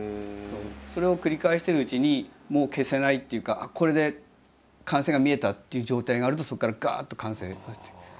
それを繰り返してるうちにもう消せないっていうかこれで完成が見えたっていう状態があるとそこからガッと完成させていく。